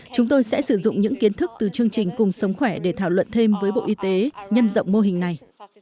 chúng tôi sẽ sử dụng những kiến thức từ chương trình cùng sống khỏe để thảo luận thêm với bộ y tế nhân rộng mô hình này